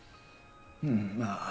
うんまあ